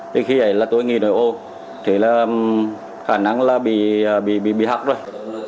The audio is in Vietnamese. thì khi này là tôi nghỉ đổi ô thì là khả năng là bị bị bị hắc rồi